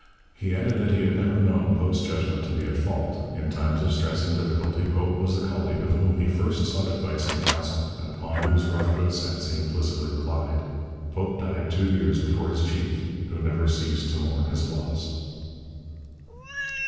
He added that he had never known Pope's judgment to be at fault. In times of stress and difficulty Pope was the colleague of whom he first sought advice and counsel, and upon whose rough good sense he implicitly relied. Pope died two years before his chief, who never ceased to mourn his loss.